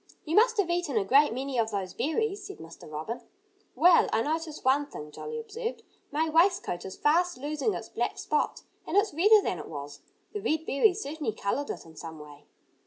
"You must have eaten a great many of those berries," said Mr. Robin. "Well, I notice one thing," Jolly observed. "My waistcoat is fast losing its black spots. And it's redder than it was. The red berries certainly colored it in some way."